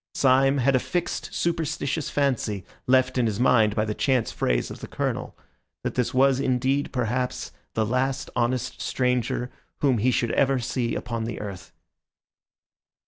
Syme had a fixed, superstitious fancy, left in his mind by the chance phrase of the Colonel, that this was indeed, perhaps, the last honest stranger whom he should ever see upon the earth.